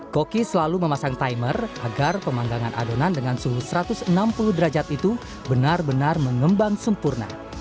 koki selalu memasang timer agar pemanggangan adonan dengan suhu satu ratus enam puluh derajat itu benar benar mengembang sempurna